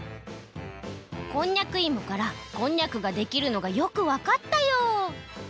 こんにゃくいもからこんにゃくができるのがよくわかったよ！